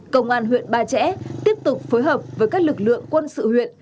công an huyện ba trẻ tiếp tục phối hợp với các lực lượng quân sự huyện